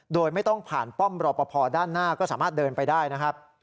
โดยไม่ต้องผ่านป้อมรอปภด้านหน้าก็สามารถเดินไปได้นะครับ